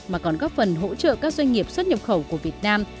mà còn góp phần hỗ trợ các doanh nghiệp xuất nhập khẩu của việt nam